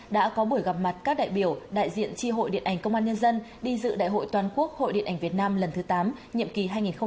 đã có buổi gặp mặt các đại biểu đại diện tri hội điện ảnh công an nhân dân đi dự đại hội toàn quốc hội điện ảnh việt nam lần thứ tám nhiệm kỳ hai nghìn một mươi chín hai nghìn hai mươi năm